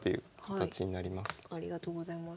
ありがとうございます。